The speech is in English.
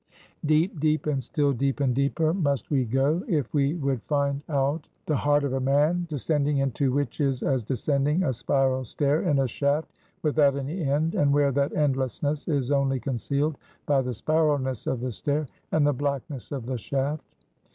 Deep, deep, and still deep and deeper must we go, if we would find out the heart of a man; descending into which is as descending a spiral stair in a shaft, without any end, and where that endlessness is only concealed by the spiralness of the stair, and the blackness of the shaft.